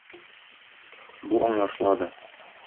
Бу аңлашыла да.